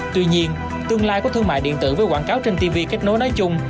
tuy nhiên tương lai của thương mại điện tử với quảng cáo trên tv kết nối nói chung